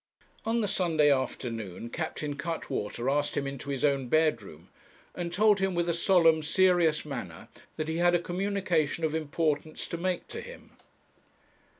On the Sunday afternoon Captain Cuttwater asked him into his own bedroom, and told him with a solemn, serious manner that he had a communication of importance to make to him.